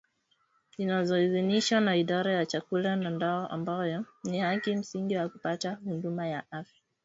zinazoidhinishwa na Idara ya Chakula na Dawa ambayo ni haki msingi wa kupata huduma ya afya